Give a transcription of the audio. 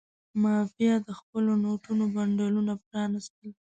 مافیا د خپلو نوټونو بنډلونه پرانستل.